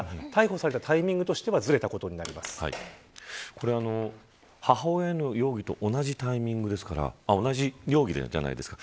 これ、母親への容疑と同じタイミング、同じ容疑じゃないですか。